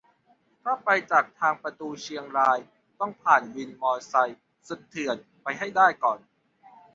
ถ้าไปจากทางประตูเชียงรากต้องผ่านวินมอไซค์สุดเถื่อนไปให้ได้ก่อน